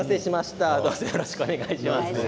よろしくお願いします。